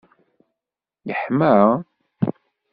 Yeḥma?